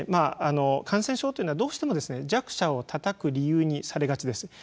感染症というのはどうしても弱者をたたく理由にされがちです。